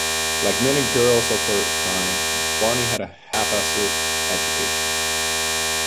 Like many girls of her time, Barney had a haphazard education.